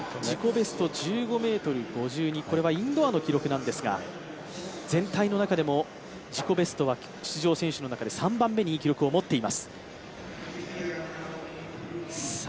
ベスト１５ｍ５２、インドアの記録なんですが、全体の中でも自己ベストは３番目のいい記録を持っています。